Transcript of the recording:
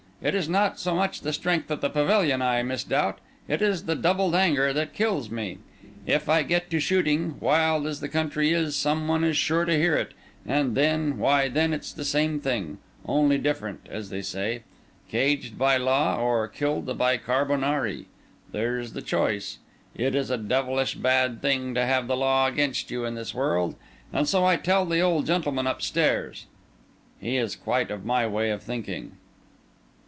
It is not so much the strength of the pavilion I misdoubt; it is the doubled anger that kills me. If we get to shooting, wild as the country is some one is sure to hear it, and then—why then it's the same thing, only different, as they say: caged by law, or killed by carbonari. There's the choice. It is a devilish bad thing to have the law against you in this world, and so I tell the old gentleman upstairs. He is quite of my way of thinking."